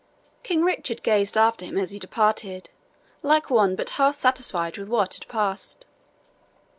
King Richard gazed after him as he departed, like one but half satisfied with what had passed.